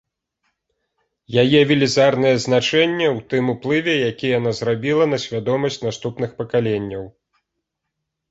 Яе велізарнае значэнне ў тым уплыве, які яна зрабіла на свядомасць наступных пакаленняў.